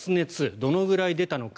どのぐらい出たのか。